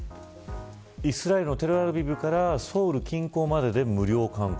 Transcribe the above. イスラエルのテルアビブからソウル近郊までで無料の韓国。